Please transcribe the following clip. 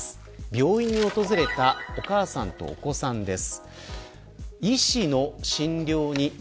病院に訪れたお母さんとお子さんです。